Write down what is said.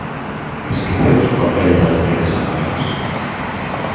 Esqueceuse o papel das mulleres anónimas?